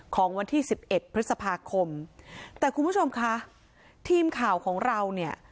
ของวันที่สิบเอ็ดพฤษภาคมแต่คุณผู้ชมคะทีมข่าวของเราเนี่ย